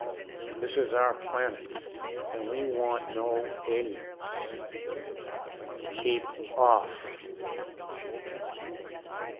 This is our planet and we want no aliens. Keep off!